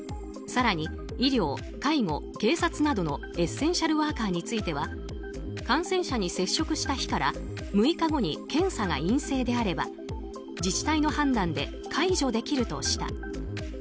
更に医療・介護・警察などのエッセンシャルワーカーについては感染者に接触した日から６日後に検査が陰性であれば自治体の判断で解除できるとした。